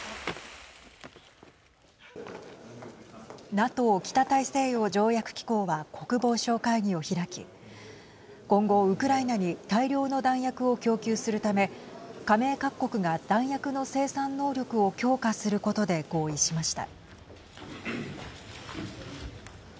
ＮＡＴＯ＝北大西洋条約機構は国防相会議を開き今後ウクライナに大量の弾薬を供給するため加盟各国が弾薬の生産能力を強化することで合意しました。